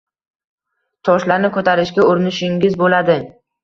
Toshlarni ko’tarishga urinishingiz bo’ladi.